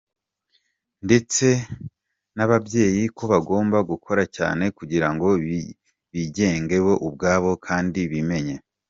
Ndetse n’ababyeyi ko bagomba gukora cyane kugirango bigenge bo ubwabo kandi bimenye”.